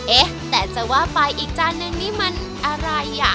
เอ๊ะแต่จะว่าไปอีกจานนึงนี่มันอะไรอ่ะ